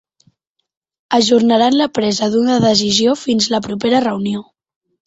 Ajornaran la presa d'una decisió fins a la propera reunió.